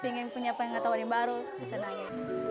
pengen punya pengetahuan yang baru senangnya